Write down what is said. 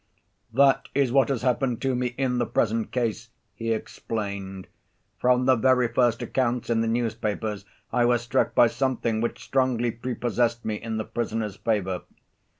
"That is what has happened to me in the present case," he explained. "From the very first accounts in the newspapers I was struck by something which strongly prepossessed me in the prisoner's favor.